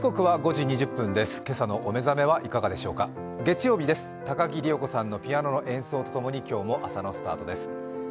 月曜日です、高木里代子さんのピアノの演奏とともに今日も朝のスタートです。